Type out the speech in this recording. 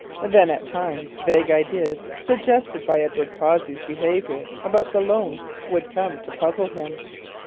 Then at times vague ideas suggested by Edward Cossey's behaviour about the loan would come to puzzle him.